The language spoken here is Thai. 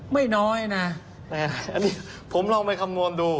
ไม่น้อยนะนะครับผมลองไปคำวมดู